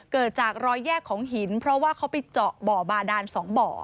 เกิดจากรอยแยกของหินเพราะว่าเขาไปเจาะบ่อบาดาน๒บ่อ